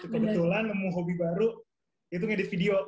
kebetulan nemu hobi baru itu ngedit video